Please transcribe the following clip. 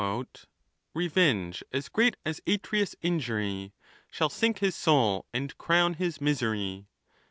Eevenge as great as Atreus' injury Shall sink his soul and crown his misery.